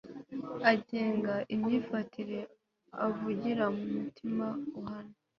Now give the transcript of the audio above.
agenga imyifatire avugira mu mutima uhana